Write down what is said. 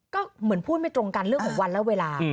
ก็เหมือนพูดไม่ตรงกันเรื่องของวันและเวลา